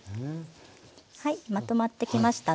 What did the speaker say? はいまとまってきましたので。